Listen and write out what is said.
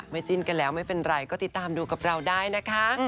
จิ้นกันแล้วไม่เป็นไรก็ติดตามดูกับเราได้นะคะ